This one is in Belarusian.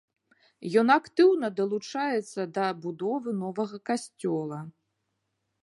Ён актыўна далучаецца да будовы новага касцёла.